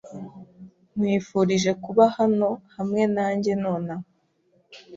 Nkwifurije kuba hano hamwe nanjye nonaha.